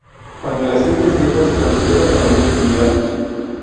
Cuando el aceite es viejo se considera de mayor utilidad.